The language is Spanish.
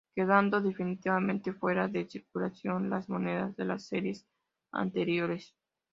Quedando definitivamente fuera de circulación las monedas de las series anteriores.